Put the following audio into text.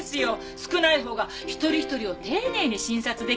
少ないほうが一人一人を丁寧に診察できますしね。